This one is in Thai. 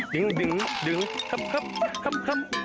ดึงดึงดึงครับครับครับครับอืม